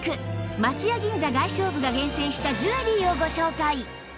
松屋銀座外商部が厳選したジュエリーをご紹介